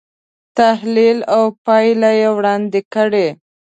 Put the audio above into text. تحلیل او پایله وړاندې کړي.